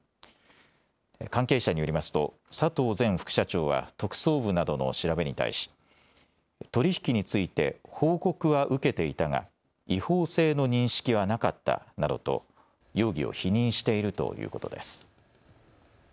関係者によりますと佐藤前副社長は特捜部などの調べに対し取引について報告は受けていたが違法性の認識はなかったなどと容疑を否認しているということです。